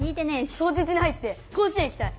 早実に入って甲子園行きたい。